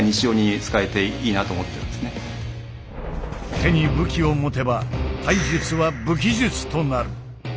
手に武器を持てば体術は武器術となる。